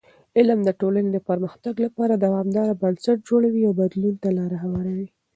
علم د ټولنې د پرمختګ لپاره دوامدار بنسټ جوړوي او بدلون ته لاره هواروي.